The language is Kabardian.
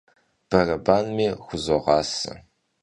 Berebanmi xuzoğase.